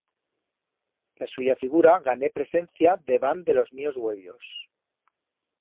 La suya figura gané presencia debant de los míos uellos.